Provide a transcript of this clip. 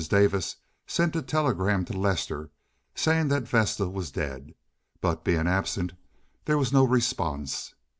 Davis sent a telegram to Lester saying that Vesta was dead, but, being absent, there was no response.